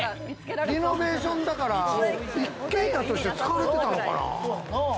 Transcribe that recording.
リノベーションだから、１階建てとして使われてたのかな？